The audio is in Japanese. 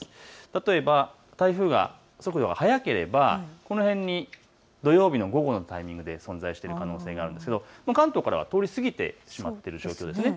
例えば台風が速度が速ければこの辺に土曜日の午後の段階で存在している可能性があるんですが関東からは通り過ぎてしまっていますよね。